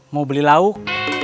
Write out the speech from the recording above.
mau beli lauk